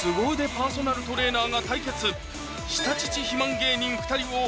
パーソナルトレーナーが対決！